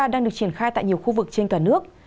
đang được triển khai tại nhiều khu vực trên cả nước